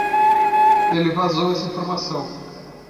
Ele vazou essa informação.